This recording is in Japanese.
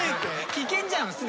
危険じゃんすでに。